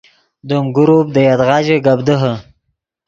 دیم گروپ دے یدغا ژے گپ دیہے